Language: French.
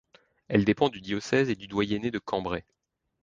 Elle dépend du diocèse et du doyenné de Cambrai.